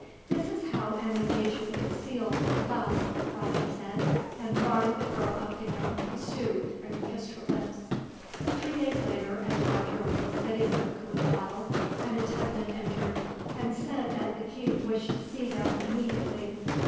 "This is how an engagement is sealed, with us," Roger said; and drawing the girl up to him, he stooped and kissed her lips. Three days later, as Roger was sitting with Cuitcatl, an attendant entered and said that the king wished to see them, immediately.